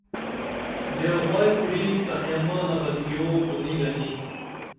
بے وفائی کُری پیحمانہ بہ تِھیو کو نی گنی